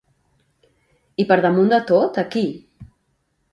I per damunt de tot a qui?